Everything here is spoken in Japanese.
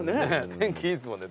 天気いいですもんね。